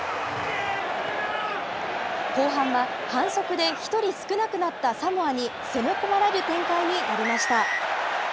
後半は反則で１人少なくなったサモアに攻め込まれる展開になりました。